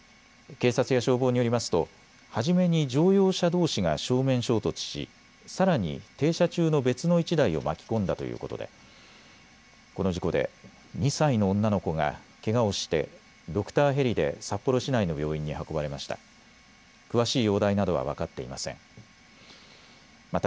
警察や消防によりますと初めに乗用車どうしが正面衝突しさらに停車中の別の１台を巻き込んだということでこの事故で２歳の女の子がけがをしてドクターヘリで札幌市内の病院に運ばれました。